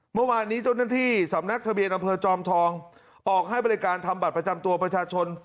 เมื่อวานนี้เจ้าหน้าที่สำนักทะเบียนอำเภอจอมทองออกให้บริการทำบัตรประจำตัวประชาชน